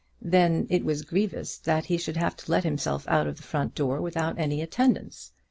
Then it was grievous that he should have to let himself out of the front door without attendance.